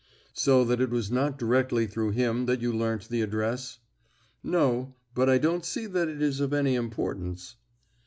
'" "So that it was not directly through him that you learnt the address?" "No; but I don't see that it is of any importance."